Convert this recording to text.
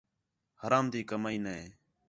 حرام تی کمائی نے